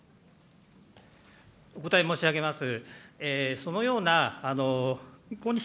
法務省、お答え申し上げます。